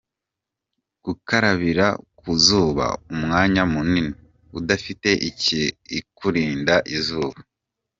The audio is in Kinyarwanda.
Gukarabira ku zuba umwanya munini, udafite ikikurinda izuba,.